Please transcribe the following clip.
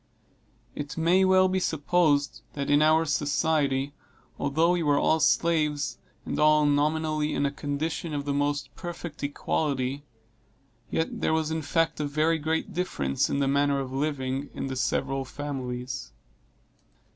It may well be supposed, that in our society, although we were all slaves, and all nominally in a condition of the most perfect equality, yet there was in fact a very great difference in the manner of living, in the several families.